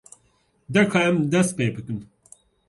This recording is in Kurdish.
De ka em dest pê bikin.